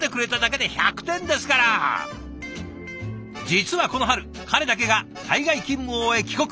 実はこの春彼だけが海外勤務を終え帰国。